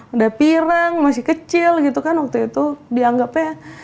udah pirang masih kecil gitu kan waktu itu dianggap ya